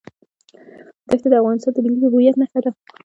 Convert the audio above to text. دښتې د افغانستان د ملي هویت نښه ده.